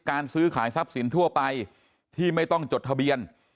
ซื้อขายทรัพย์สินทั่วไปที่ไม่ต้องจดทะเบียน